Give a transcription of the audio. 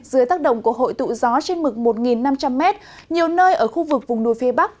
dưới tác động của hội tụ gió trên mực một năm trăm linh m nhiều nơi ở khu vực vùng núi phía bắc